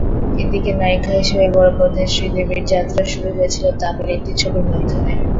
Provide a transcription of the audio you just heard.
এদিকে, নায়িকা হিসেবে বড়পর্দায় শ্রীদেবীর যাত্রা শুরু হয়েছিল তামিল একটি ছবির মাধ্যমে।